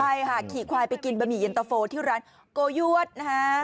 ใช่ค่ะขี่ควายไปกินบะหมี่เย็นตะโฟที่ร้านโกยวดนะฮะ